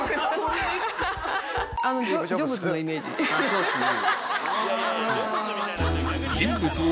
そうっすね。